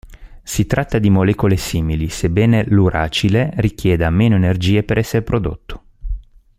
Si tratta di molecole simili, sebbene l'uracile richieda meno energia per essere prodotto.